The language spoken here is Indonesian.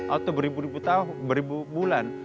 atau beribu ribu tahun beribu bulan